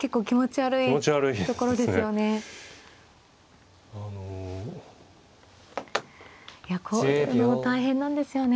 いやこういうのも大変なんですよね